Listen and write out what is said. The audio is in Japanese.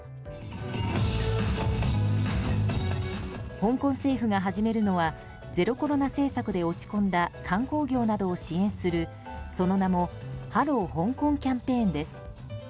香港政府が始めるのはゼロコロナ政策で落ち込んだ観光業などを支援する、その名もハロー香港キャンペーンです。